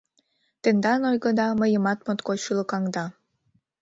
— Тендан ойгыда мыйымат моткоч шӱлыкаҥда.